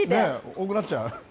多くなっちゃう。